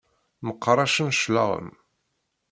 Mqeṛṛacen cclaɣem.